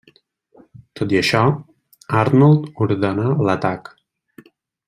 Tot i això, Arnold ordenà l'atac.